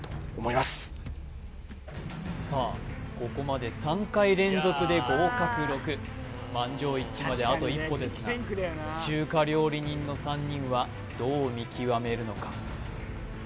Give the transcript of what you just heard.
ここまで３回連続で合格６満場一致まであと一歩ですが中華料理人の３人はどう見極めるのか？